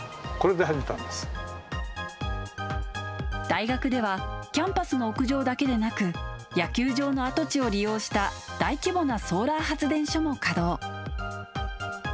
大学ではキャンパスの屋上だけでなく野球場の跡地を利用した大規模なソーラー発電所も稼働。